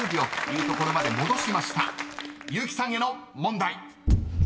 ［結木さんへの問題］